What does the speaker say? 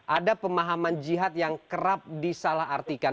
ada pemahaman jihad yang kerap disalah artikan